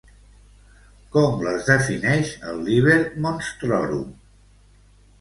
Com les defineix el Liber Monstrorum?